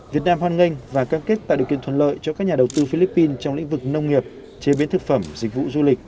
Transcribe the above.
việt nam hoan nghênh và cam kết tạo điều kiện thuận lợi cho các nhà đầu tư philippines trong lĩnh vực nông nghiệp chế biến thực phẩm dịch vụ du lịch